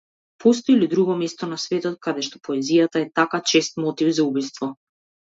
Постои ли друго место на светот кадешто поезијата е така чест мотив за убиство?